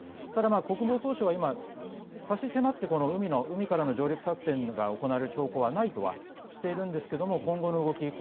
ただ、国防総省は今差し迫って海からの上陸作戦が行われる兆候はないとはしているんですが今後の動き